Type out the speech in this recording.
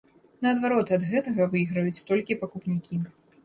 Наадварот, ад гэтага выйграюць толькі пакупнікі.